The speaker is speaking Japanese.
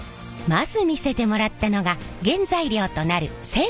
まず見せてもらったのが原材料となる銑鉄。